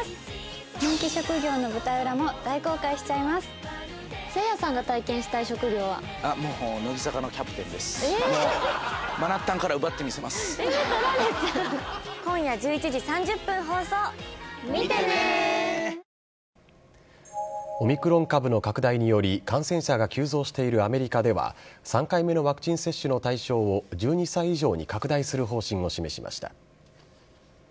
また、オミクロン株の拡大により、感染者が急増しているアメリカでは、３回目のワクチン接種の対象を１２歳以上に拡大する方針を示しました。